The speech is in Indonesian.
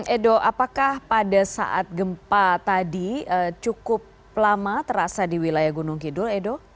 edo apakah pada saat gempa tadi cukup lama terasa di wilayah gunung kidul edo